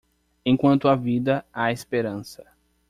Enquanto há vida, há esperança.